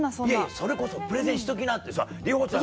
それこそプレゼンしときなって里帆ちゃん